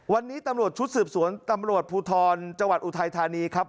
วันนี้ตำรวจชุดสืบสวนตำรวจภูทรจังหวัดอุทัยธานีครับ